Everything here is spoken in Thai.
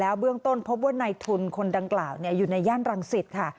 เบื้องต้นพบว่าในทุนคนดังกล่าวอยู่ในย่านรังสิตค่ะ